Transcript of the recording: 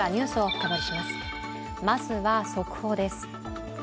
まずは速報です。